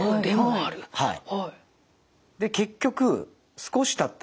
はい。